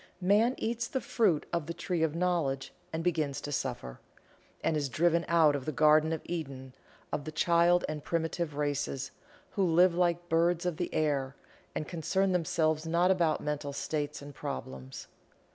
Man eats the fruit of the Tree of Knowledge and begins to suffer, and is driven out of the Garden of Eden of the child and primitive races, who live like the birds of the air and concern themselves not about mental states and problems.